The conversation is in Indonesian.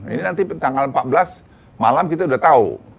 ini nanti tanggal empat belas malam kita udah tau